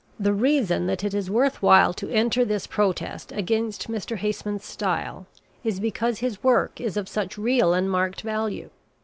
The reason that it is worth while to enter this protest against Mr. Haseman's style is because his work is of such real and marked value.